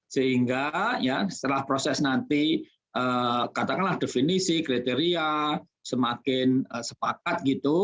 sehingga ya setelah proses nanti katakanlah definisi kriteria semakin sepakat gitu